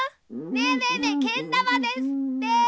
ねえねえねえけんだまですって！